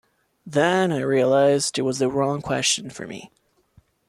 Then I realized it was the wrong question for me.